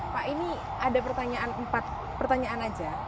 pak ini ada pertanyaan empat pertanyaan saja